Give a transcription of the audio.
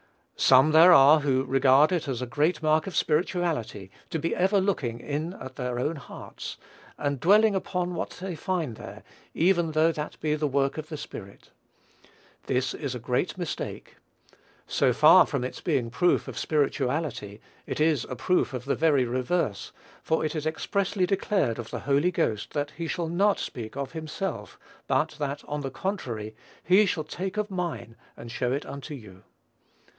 Some there are who regard it as a great mark of spirituality to be ever looking in at their own hearts, and dwelling upon what they find there, even though that be the work of the Spirit. This is a great mistake. So far from its being a proof of spirituality, it is a proof of the very reverse, for it is expressly declared of the Holy Ghost that "he shall not speak of himself;" but that, on the contrary, "he shall take of mine and show it unto you."